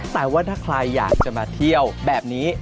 แต่ว่าถ้าใครอยากจะมาเที่ยวแบบนี้